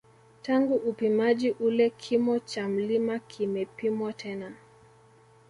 Tangu upimaji ule kimo cha mlima kimepimwa tena